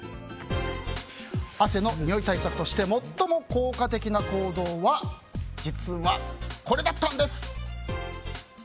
汗のにおい対策として最も効果的な行動は実は、これだったんです。